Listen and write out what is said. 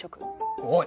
おい！